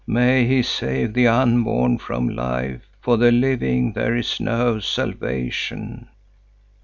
May he save the unborn from life! For the living there is no salvation."